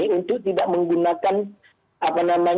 yang pertama kita harus menganggurkan hal hal tersebut